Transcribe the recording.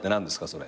それ。